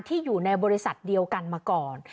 อยู่ในบริษัทเดียวกันมาก่อน